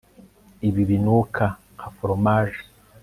ibi binuka nka foromaje